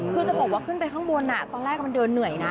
คือจะบอกว่าขึ้นไปข้างบนตอนแรกมันเดินเหนื่อยนะ